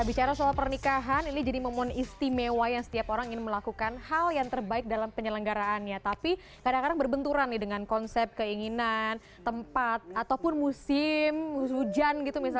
bicara soal puencia hal ini jadi memang istimewanya setiap orang mengalamekan hal yang terbaik pada dalam penyelenggaraan ini